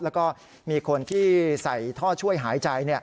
แล้วก็มีคนที่ใส่ท่อช่วยหายใจ